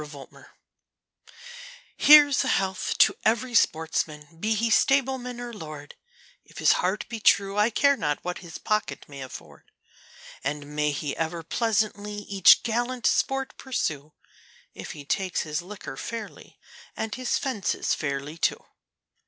A Hunting Song Here's a health to every sportsman, be he stableman or lord, If his heart be true, I care not what his pocket may afford; And may he ever pleasantly each gallant sport pursue, If he takes his liquor fairly, and his fences fairly, too.